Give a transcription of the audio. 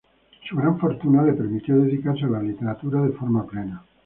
Su gran fortuna le permitió dedicarse a la literatura de forma plena.